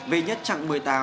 về nhất trạng một mươi tám